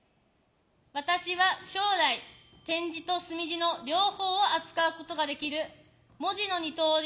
私は将来点字と墨字の両方を扱うことができる「文字の二刀流」